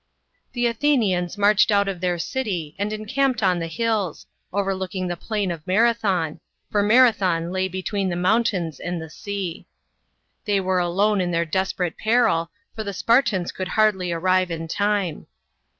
The Athenians marched out of their city and encarhped on the hills, overlooking the plain of Marathon, for Marathon lay between the mountains and tlie sea. They were alone in their desperate peril, for the Spartans could hardly arrive in time.